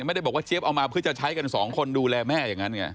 ไม่ได้บอกว่าเจี๊ยบเอามาเพื่อจะใช้กันสองคนดูแลแม่อย่างนั้นไง